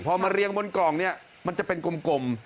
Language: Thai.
พอมาเรียงบนกล่องเนี่ยมันจะเป็นกลม